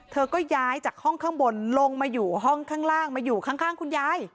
เธอก็ย้ายจากห้องข้างบนลงมาอยู่ห้องข้างล่างมาอยู่ข้างคุณยาย